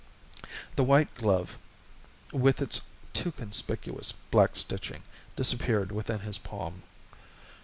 The white glove, with its too conspicuous black stitching, disappeared within his palm.